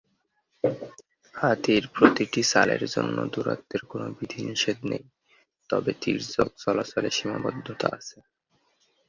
হাতির প্রতিটি চালের জন্য দূরত্বের কোনও বিধিনিষেধ নেই, তবে তির্যক চলাচলে সীমাবদ্ধতা আছে।